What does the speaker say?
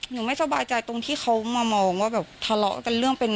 ไม่สบายใจตรงที่เขามามองว่าแบบทะเลาะกันเรื่องเป็น